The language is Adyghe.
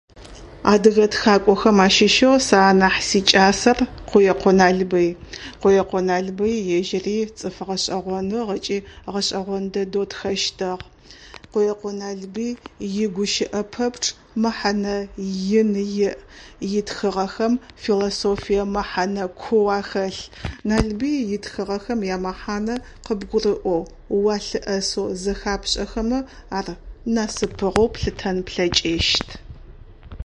Адыгэ тхакӏохэм ащыщэу сэ анахь сикӏасэр Къуекъо Налбый. Къуекъо Налбый ежьри цӏыф гъэшӏэгъоныгъ ыкӏи гъэшӏэгъон дэдэу тхэщтыгъ. Къуекъо Налбый игущыӏэ пэпчъ мэхьэнэ ин иӏ итхыгъэхэм философие мэхьэнэ куу ахэлъ. Налбый итхыгъэхэм ямэхьанэ къыбгурыӏоу уалъыӏэсэу зэхапшӏэхэмэ ар насыпыгъэу плъытэн плъэкӏыщт.